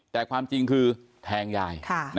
แต่ความจริงคือแทงยาย